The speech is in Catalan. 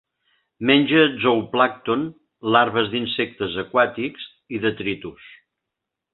Menja zooplàncton, larves d'insectes aquàtics i detritus.